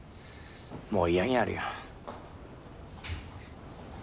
もう嫌になるよ。